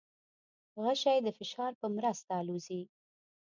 غشی د فشار په مرسته الوزي.